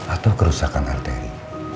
atau kerusakan arteri